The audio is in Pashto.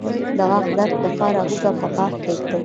د غاښ درد لپاره هوږه په غاښ کیږدئ